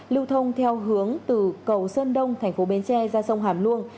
lưu thông theo hướng từ cầu sơn đông thành phố bến tre ra sông hàm luông